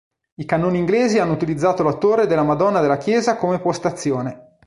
I cannoni inglesi hanno utilizzato la torre della Madonna della Chiesa come postazione.